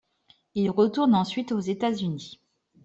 Il retourne ensuite aux États-Unis.